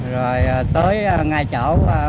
rồi tới ngay chỗ